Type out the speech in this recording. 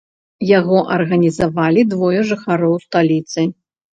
Яго арганізавалі двое жыхароў сталіцы.